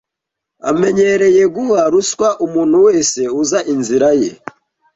Amenyereye guha ruswa umuntu wese uza inzira ye.